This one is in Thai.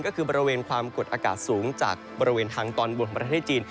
ก็คือบริเวณความกดอากาศสูงจากบริเวณทางตอนบนของประเทศจีน